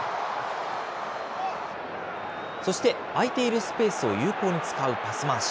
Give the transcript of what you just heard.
そして、空いているスペースを有効に使うパス回し。